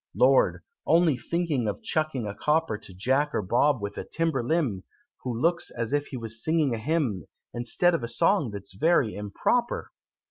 Lord! only think of chucking a copper To Jack or Bob with a timber limb, Who looks as if he was singing a hymn, Instead of a song that's very improper!